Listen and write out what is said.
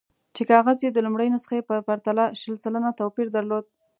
چې کاغذ یې د لومړۍ نسخې په پرتله شل سلنه توپیر درلود.